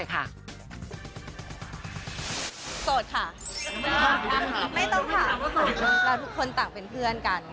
โสดค่ะไม่ต้องถามเราทุกคนต่างเป็นเพื่อนกัน